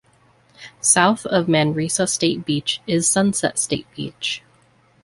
South of Manresa State Beach is Sunset State Beach.